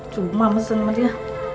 cuma mesen madinya